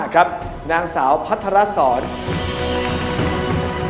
๓๓๐ครับนางสาวปริชาธิบุญยืน